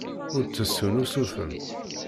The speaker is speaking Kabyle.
Ur d-ttessun usuten.